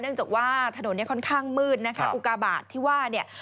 เนื่องจากว่าถนนค่อนข้างมืดนะคะอุกาบาทที่ว่าเนี่ย